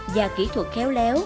và kỹ thuật khéo léo